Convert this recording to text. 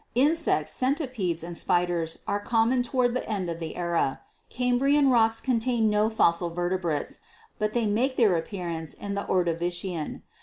Insects, centipedes and spiders were common toward the end of the era. Cambrian rocks contain no fossil vertebrates, but they make their appear ance in the Ordovician.